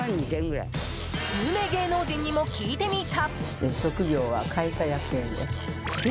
有名芸能人にも聞いてみた。